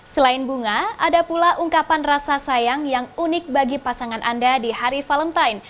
selain bunga ada pula ungkapan rasa sayang yang unik bagi pasangan anda di hari valentine